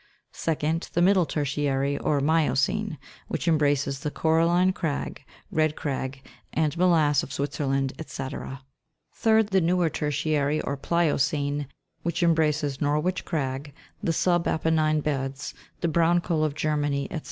2d. The middle tertiary, or miocene, which embraces the Coralline crag, Red crag, the Molasse of Switzerland, &c. 3d. The newer tertiary, or Pliocene, which embraces Norwich crag, the sub Apennine beds, the Brown coal of Germany, &c.